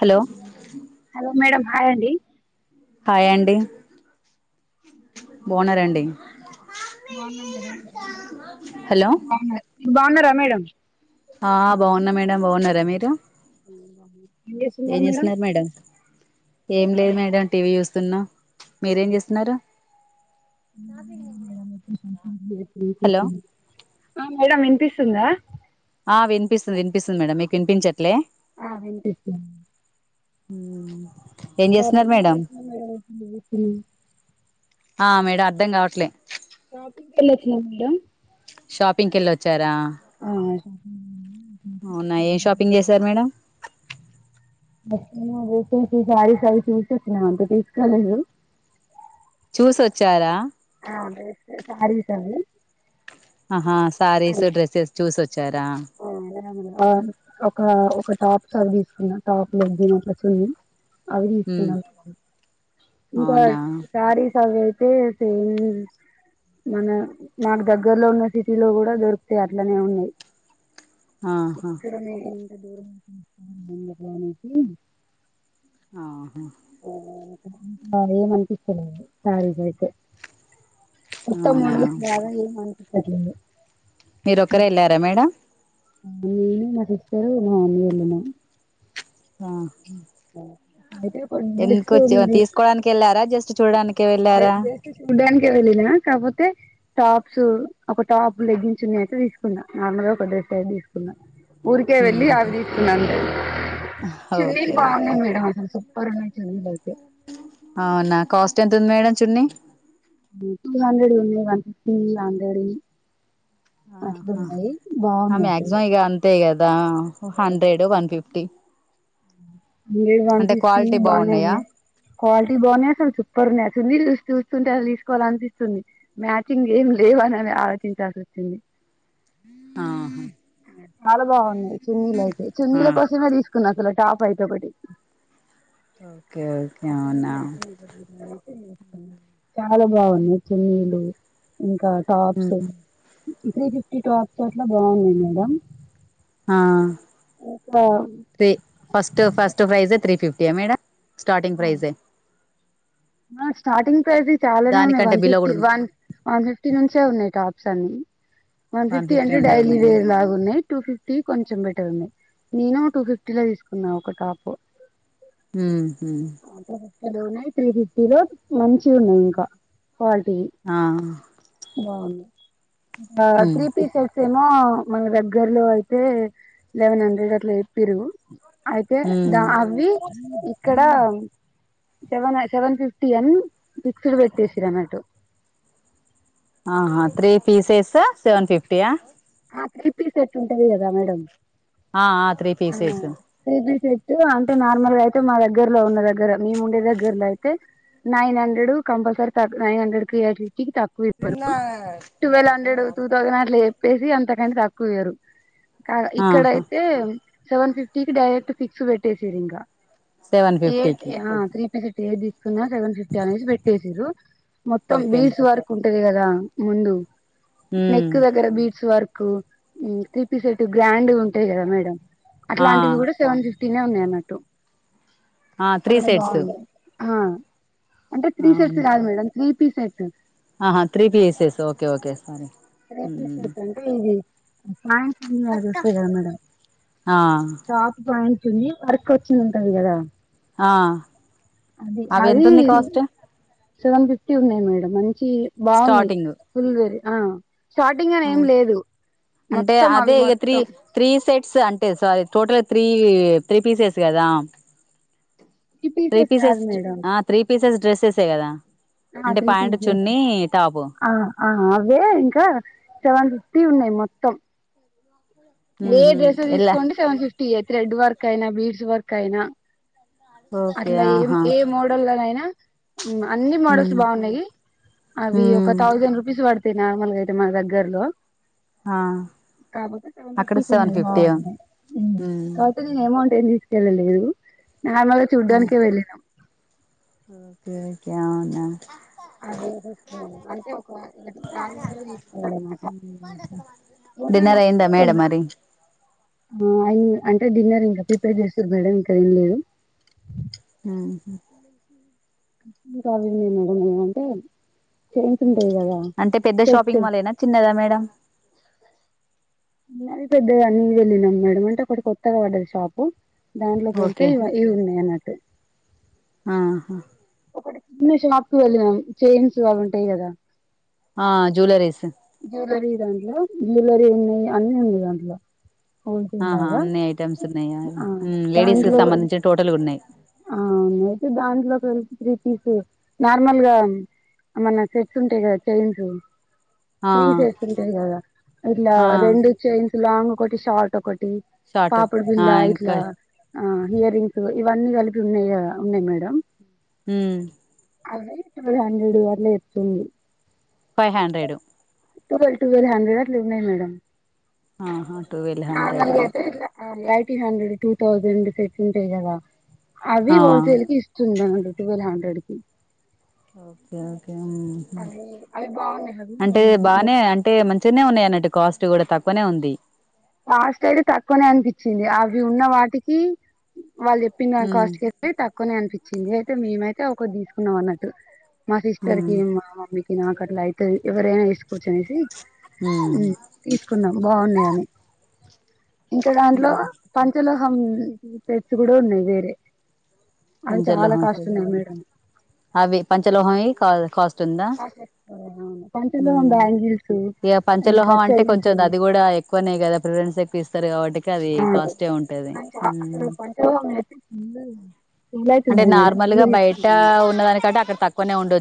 Hello hello madam hi అండీ hi అండి బాగున్నారండి బాగున్నా మేడం హలో మీరు బాగున్న మీరు బాగున్నారా మేడం ఆ బాగున్నా మేడం బాగున్నారా మీరు ఏం చేస్తున్నారు మేడం ఏం లేదు మేడం టీవీ చూస్త న్నా మీరేం చేస్తున్నారు [inaudible] [unintelligible] హలో [unintelligible] మేడం వినిపిస్తుందా ఆ వినిపిస్తుంది వినిపిస్తుంది మేడం మీకు వినిపించట్లే ఆ వినిపిస్తుంది మేడం హూ.. షాపింగ్ పోయి వచ్చిన మేడం పిల్లల్ని తీసుకొని అర్థం కావట్లే మేడం షాపింగ్కి వెళ్ళొచ్చారా ఆ అవునా ఏ షాపింగ్ చేసారు మేడం నచ్చినవి వేసుకొని చూసా సారీస్ అవి చూసేసిన ఇంకా తీసుకోలేదు చూసొచ్చారా ఆ మేస్తే సారీస్ అండి ఆహా శారీస్ డ్రెసెస్ చూసి అచ్చార ఆ ఒక ఒక టాప్ సర్వీస్ టాప్, లెగ్గిన్ అట్లా చూయి అవి ఉమ్, తీసుకున్నాం ఇంకా అవునా సారీస్ చది అయితే సేమ్ మన నాకు దగ్గర్లో ఉన్న సిటీలో కూడా దొరుకుతాయి అట్లనే ఉన్నాయి ఆహా ఇక్కడనే ఎంత దూరం నుంచి వచ్చిండ్రు గద అనేసి ఆహ ఏమనిపిస్తలేదు చాయ్ తాగితే కొత్త అవునా మోడల్స్ బాగా ఏమని [unintelligible] మీరొక్కరె ఎళ్ళారా మేడం నేను మా సిస్టరు మా మమ్మీ వెళ్ళినం ఆ ఆ ఎందుకొచ్చ తీస్కోడానికెళ్ళారా జస్ట్ చూడానికి జె జెస్ట్ చూడ్డానికే వెళ్లినా కాకపోతే టాప్స్ ఒక టాప్ లెగ్గిన్, చున్ని అయితే తీసుకున్నా నార్మల్ గా ఒక డ్రెస్ అయితే తీసుకున్న ఊరికే వెళ్ళి అవి తీసుకున్నా అంతే ఓకే చున్నీలు ఓకే బాగున్నాయి మేడం అసలు సూపర్ ఉన్నాయి [unintelligible] అయితే అవునా కాస్ట్ ఎంత ఉంది మేడం చున్నీ టూ హండ్రెడ్ ఉంది వన్ ఫిఫ్టీ హండ్రెడ్ ఉంది ఆ అసలు మ్యాక్సిమమ్ ఇ అంతే కదా hundred one fifty medium one అంటే ఫిఫ్టీ క్వాలిటీ బానే బాగున్నాయా ఉన్నాయి క్వాలిటీ బావున్నాయ్ అసలు సూపర్ ఉన్నాయ్ చున్నీలు చూస్ చూస్తుంటే అవి తీసుకోవాలనిపిస్తుంది మ్యాచింగ్ ఏం లేవు అని అని ఆలోచించాల్సి వచ్చింది ఆహా చాలా బావున్నాయి చున్నీలయితే చున్నీల కోసమే తీసు కొన్ [unintelligible] టాప్ ఐతే ఒకటి [inaudible] ఓకే ఓకే అవునా చాలా బావున్నాయి చున్నీలు ఇంకా టాప్స్ త్రీ ఫిఫ్టీ టాప్స్ అట్ల బాగున్నాయి మేడం ఆ ఒక రే ఫస్ట్ ఫస్ట్ ప్రైజే త్రీ ఫిఫ్టీ ఆ మేడం స్టార్టింగ్ ప్రైజే ఆ స్టార్టింగ్ ప్రైస్ చాలానే ఉన్నాయి దానికంటే వన్ బిలో ఫిఫ్టీ కూడా ఉంది వన్ వన్ ఫిఫ్టీ నుంచే ఉన్నాయి టాప్స్ అన్ ఉమ్ వన్ ఫిఫ్టీ అంటే డైలీ వేర్ లాగున్నాయి టూ ఫిఫ్టీ కొంచెం బట్ టే ఉన్నాయి నేను టూ ఫిఫ్టీ లో తీసుకున్నా ఒక టాప్ మ్మ్ హూ భలే ఉన్నాయి త్రీ ఫిఫ్ పూబోత్ మంచివున్నాయి ఇంకా క్వాలిటీవి బావున్ ఆ త్రీ పీసెస్ ఏమో మన దగ్గరలో అయితే లెవెన్ హండ్రెడ్ అట్లా చెప్పిర్రు అయితే ద అవ్వి ఇక్కడ సెవెనే సెవెన్ ఫిఫ్ టీ అని ఫిక్సుడు పెట్టేసిరన్నట్టు ఆహా త్రీ పీసెస్ సెవెన్ ఫిఫ్టీ ఆ ఆ త్రీ పీస్ సెట్ ఉంటది కదా మేడం ఆ ఆ త్రీ ఆ పీసెస్ త్రీ పీ సెట్టు అంటే నార్మల్గై తు మా దగ్గరలో ఉన్న దగ్గర మేముండే దగ్గరలో అయితే నైన్ హండ్రెడ్ కంపల్సరీ తగ్ నైన్ హండ్రెడ్ కి [inaudible] కి తక్కువ ఇవ్వరు టువల్ హండ్రెడ్ టూ థౌసండ్ అట్ల చె ప్పేసి అంతకంటే తక్కువియ్యరు కాదు ఆహా ఇక్కడైతే సెవన్ ఫిఫ్టీకి డైరెక్ట్ ఫిక్స్ పెట్టేసిరి ఇంక సెవెన్ ఏట్ ఫిఫ్టీకి ఆ త్రి సెవెన్ పిప్టి ఏది తీసుకున్నా సెవన్ ఫిఫ్టీ అనేసి పెట్టేసిండ్రు మొత్తం ఓకే బీస్ వరకు పెళ్ళి గద ముందు ఉమ్ నెక్ దగ్గర బీడ్ చ్ వర్క్ మ్మ్ త్రీ పీస్ సెట్ గ్రాండ్ ఉంటాయి కదా మేడం ఆ అట్లాంటివి కూడా సెవెన్ పిఫ్టీ తిన్నాం నే అన్నట్టు ఆ త్రీ సెట్స్ హా అంటే టీ షర్ట్స్ అవునా కాదు మేడం త్రీ పిస్ సెట్ ఆహా three pieces okay okay sorry three piece అంటే ఇవి మ్మ్ మయిట్న ఉన్నది సడనగా ఆ టాప్ గానీ హెవీ వర్క్ వచ్చి ఉంటది కదా ఆ అ అవి అది ఎంతుంది కాస్ట్ సెవెన్ ఫిఫ్టీ ఉందియి [unintelligible] చీ బావున్నాయి స్టార్టింగ్ ఫుల్వేరీ ఆ స్టార్టింగ్ అని ఆ ఏం లేదు మొత్తం అవి మొత్తం స అంటే sorry total three three pieces కదా త్రీ పీసెస్ కాదు పిస్స్ట్ మేడం ఆ త్రీ పీసెస్ డ్రెస్సెసే కదా ఆ అంటే త్రీ ప్యాంట్ చున్ని టాపు వే ఇంకా సెవెన్ ఫిఫ్టీ ఉన్నాయి మొత్తం ఏ ఉహు డ్రెస్ ఎలా తీసుకోండి సెవెన్ ఫిఫ్టీ ఏ త్రెడ్ వర్క్ అయినా బీడ్స్ వర్క్ అయినా ఓకే అట్లా ఏం ఆహా ఏ మోడల్నైనా ఆ మ్మ్ అన్ని మోడల్స్ ఉమ్ బాగున్నాయి అవి ఒక ఉమ్ తౌసండ్ రూపీస్ పడుత తినార్మల్ అయితే మన దగ్గర్లో ఆ కాబోతే అక్కడ సెవెన్ ఫిఫ్టీ ఆ ఉమ్ [unintelligible] తీసుకెలలేదు [unintelligible] చూడ్డానికి వెళ్ళినం ఓకే ఓకే అవునా డిన్నర్ అయిందా మేడం మరి బో అంటే డిన్నర్ ఇంకా ప్రిపేర్ చేసిరు మేడం ఇంకా ఏం లేదు మ్ హు [unintelligible] చేయించ అంటే పెద్ద షాపింగ్ మాల్ ఏనా చిన్నదా మేడం చిన్నది పెద్దది అని తెల్వదు మేడం అంటే ఒక ఇప్పుడు కొత్తగా పడ్డదిషాపు దాంట్లోకి వెళ్తే ఓకే ఇ ఇవి ఉన్నాయి అన్నట్టు ఆహా ఒకటి షాప్కు వెళ్ళినాం చైయిన్స్ వాళ్ళవి ఉంటాయి కదా ఆ జూలరీస్ జ్యువెలరీ దాంట్లో జ్యువలరీ ఉన్నాయి అన్ని వున్నాయి దాంట్లో హోల్సేల్ ఆహా లాగా అన్ని ఐటెమ్స్ ఉన్నాయా ఆ లేడీస్ కి దాంట్లో సంబంధించిన టోటల్గా ఉన్నాయ్ అ త్రీ పీస్ నార్మల్ గా మన సెట్స్ ఉంటాయి కదా చైన్స్ ఆ త్రీ సెట్స్ ఉంటాయి కదా ఇట్లా ఆ రెండు చైన్స్ లాంగ్ ఒకటి షార్ట్ ఒక షార్ట్ పాపిడి ఆ బిల్లా ఇట్లా ఇంకా ఆహ ఇయర్ రింగ్స్ కూడ ఇవన్నీ కలిపి ఉన్నాయి ఉన్నయ్ మేడం హుమ్మ్ అవే ఇప్పుడు హండ్రెడ్ ఇయర్లు చెప్తుండు five hundred twelve twelve hundred అట్లా ఉన్నాయ్ మేడమ్ ఆహా ట్టువెల్ హండ్రెడ్ ఆ ఇట్లా eighteen hundred two thousand set ఉంటాయి గదా అవి ఆ హోల్సేల్ కి ఇస్తుంది టువెల్ హండ్రెడ్ కి ఓకే అవి అవి బాగున్నాయి అంటే అవి బానే కాస్ట్ కూడా తక్కువనే ఉంది కాస్ట్ అయితే తక్కువనే అనిపించింది అవి ఉన్న వాటికి వాళ్ళు చెప్పిన ఉమ్ కాస్ట్ కు అయితే తక్కువ్ కొనే అనిపించింది అయితే మేమైతే ఒకటి తీసుకున్నాం అన్నట్టు మా ఉమ్ సిస్టర్కి మా మమ్మీకి నక్ అట్లా అయితే ఎవరేనా కూర్చునేసి ఉమ్ తీసుకున్నాం బాగున్నాయి అని ఇంకా దాంట్లో పంచ లోహం తెచ్చు కూడాడ ఉన్నాయి వేరే అవి పంచలోహ చాలా స కాస్ట్ ఉన్నాయి మేడం అవి పంచలోహం ఈస్త పాస్ అయిపోతావ్ లే అవును పంచలోహం ఉమ్ బ్యాంగిల్స్ ఇక ఇంకా పంచలోహం అంటే చైన్స్ కొంచెం అది కూడా ఎక్కువనే కదా ప్రిఫరెన్స్ ఎక్కువ ఇస్తారు కాబట్టి కాని [unintelligible] అంటే నార్మల్ గా బయట ఉన్న దానికంటే అక్కడ తక్కువనే ఉండొ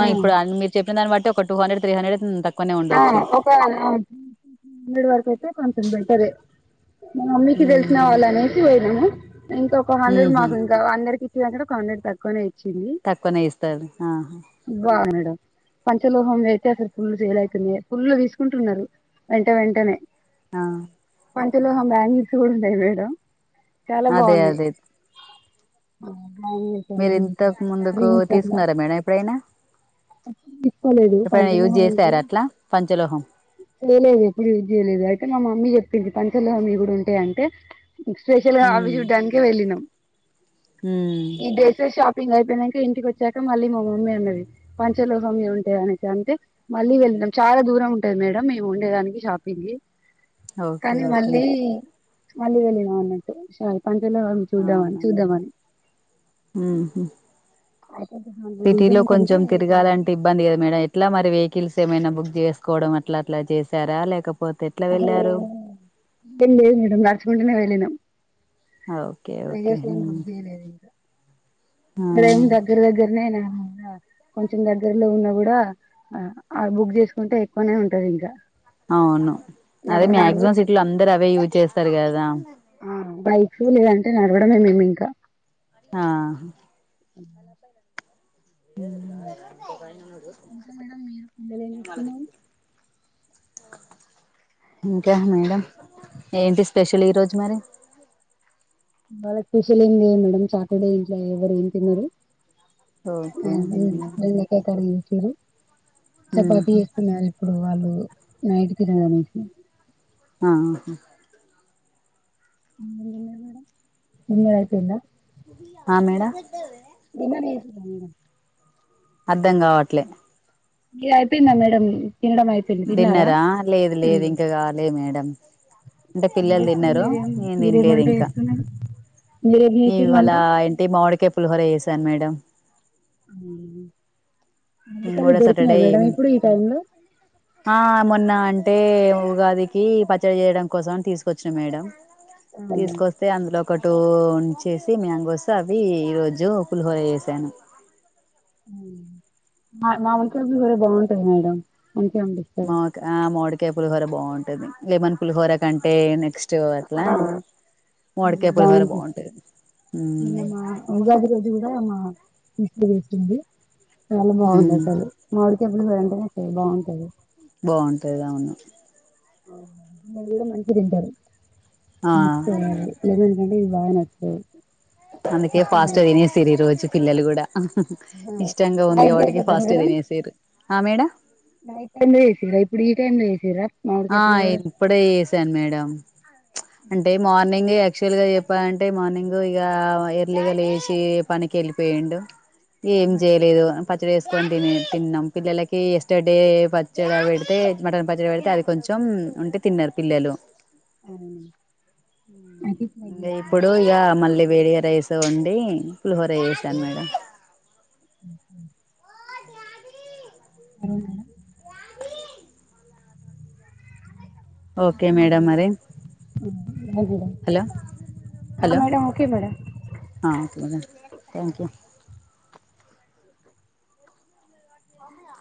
ఆ ఇప్పుడు మీరు చెప్పిన దాన్ని బట్టి ఒక టూ హండ్రడ్ త్రీ హండ్రెడ్ తక్కువనే ఆ ఉండొచ్చు ఓపెనర్ ఆ హండ్రెడ్ వరకు అయితే కొ కొంచం బెటర్ ఏ మా మమ్మీకి తెలిసిన ఉమ్ వాళ్ళు అనేసి పోయినాము ఇంక ఒక హండ్రెడ్ ఉహు మాకు ఇంకా అందరికి ఇ కన్నడ్ పక్కననేయి తక్కువనే ఇస్తా ఆ బాగుంది మేడం పంచలోహం వయితే ఫ ఫుల్లు చేలాయితే త పులు తీసుకుంటున్నారు వెంట వెంటనే ఆ పంటలో బ్రాంగూస్ కూడా ఉంటాయి మేడ చాలా అదే బాగున్నాయి అదే ఆ మీరు ఇంతకు ముందుకు అట్లా తీసుకున్నారా మేడం ఎప్పుడైనా తీసుకోలేదు ఎప్పుడైనా యూజ్ పంచలోహానికి చేసారుా అట్లా పంచలోహం చేయలేదు ఎప్పుడు యూజ్ చేయలేదు అయితే మా మమ్మీ చెప్పింది పంచలోహం ఇ కూడా ఉంటాయి అంటే స్పెషల్గా హాబీ ఉమ్ చూడ్డానినికి వెళ్ళినాం ఉమ్ ఈ డెసర్ షాప్ అయిపోయినాక ఇంటికి వచ్చాక మళ్ళీ మా మమ్మీ అన్నవి పంచలోహం ఏమింటా అని అంటే మళ్ళీ వెళ్ళినం చాలా దూరం ఉంటది మేడం మేము ఉండేదానికి షాపింగ్ కి ఓకే కానీ ఓకే మళ్ళీ మాలి వెళ్లి నా అన్నంటటు శా అవునమ్ హు అయితే దాంట్లో సిటీలో డిజైన్స్ అంటే కొంచెం తిరగాలంటే, ఇబ్బంది కదా మేడం ఎట్లా మరి వే కిల్స్ ఏమైనా బుక్ చేసుకోవడం అట్లా అట్లా చేసారా లేకపో లెద్ మేడం నడుచకుంటనే వెళ్ళిన ఓకే ఓకే ఇే ఆ దగ్గర దగ్గర అ కొంచెం దగ్గరలో ఉన్నా కూడా బుక్ అ చేసుకుంటే ఎక్కువనే ఉంటది ఇంకా అవును అదే నడు మాయాక్సిమం నడవచ్చు సిటీలో అందరు అవే యూజ్ చేస్తారు కదా అ బైక్స్ లేదంటే నడవడమే మేమి ఇంకా ఆ అ ఉమ్ దూ నేను ఇంకా మేడం మీరు పిల్లలు ఏం వాళ్ల చేస్తున్నారు దగ్గరికి ఇంకా మేడం ఏంటి స్పెషల్ ఈరోజు మరి బా స్పెషల్ అయింది మేడం చాటర్డే ఇంట్ ఎవరు ఏ తిన్నారు ఓకే అ బెండకాయ్ కర్రీ [unintelligible] చపాతీ చేస్తున్నారు ఇప్పుడు వాళ్ళు నైట్ తిన్నారా [unintelligible] ఆ మేడ నిల్ అయితుంద ఆ మేడం [unintelligible] అర్ధం కావట్లే న అయిపోయిందా మేడమ్ డిన్నరా లేదు లేదు ఉమ్ ఇంకా కవాలేదు మేడం అంటే ఏం పిల్లలు చేస్తురు తిన్నరు మీరేం నేం మీరేం తిన్లేదు వంట ఇంకా చేస్తున్నారు మీరేం నవ చేసిరు ఇవళ వంట ఏంటి మావడికే పుల్హొర వేస అన్ మ అ నేన్ మామిడికాయలు గూడా సటర్డే దొరికినాయి మేడం ఎం ఇప్పుడు ఈ టైమ్ లో ఆ మొన్న అన్ టే ఉగాదికి పచ్చడి చేయడం కోసం అని తీసుకొచ్చినా మేడం తీసుకొస్తే అందులో ఒక టూ ఉంచేసి మ్యాంగోసు అవి ఈ రోజు పులిహోర చేసాను ఊ [unintelligible] టది మేడం మంచిగా అనిపిస్తది మావ్ కా ఆ మావిడికాయ పులిహోర బావుంటది లేమన్ పులిహోర కంటే నెక్స్ మ్ అ పులిహోర బాగుంటాది బాగుంటది మన్న ఉమ్ మా ఉగాది రోజు కూడా మా ఇప్పుడు వచ్చింది. చాలా బాగుంది ఉమ్ అసలు మామిడికాయ ప్ ఉలవలు అంటే నె సరి బాగుంటది బాగుంటాది అవును ఆ వీళ్ళుకూడా మంచిగ తింటారు ఆ మెత్తగయింది వేరేది ఇ వీళ్ళాయనవచ్చాడు. అందుకే పాస్ట్ తినేస్సురి ఈ రోజు. పిల్లలు గూడా ఇష్టంగా ఉంది నైట్ గాబటికి చేసిర్రా ఫాస్టుగా మేడం తినేసిర్రు ఆ మేడ ప్పుడు ఈ టైం లో ఏసిర్రా ఆ ఇప్పుడే చేసాను మేడం ప్చ్ అంటే మార్నింగే ఎక్ యాక్చువల్ గా చెప్పాలంటే మార్నింగ్ ఇక ఎర్లీగా లేచి పనికి వెళ్ళిపోయిండు. ఏం చేయలేదు అమ్ పత్ పచ్చడి వేసుకొని తిన్నాం పిల్లలకి ఎస్టర్ డే పచ్చడి పెడితే మటన్ పచ్చడి పెడితే అది కొంచెం ఉంటే తిన్నారు పిల్లలు. అవునా అది ట్రై ద చేసినారా ఇప్పుడు య మళ్ళీ ప్ వేడిగ రైస్ వండి పులిహోర చేసాను మేడం. అయినా ఓకే మేడం మేడమ్ మరి madam hello madam hello madam okay madam అ ఓకే మేడమ్ థ్యాంక్ యూ.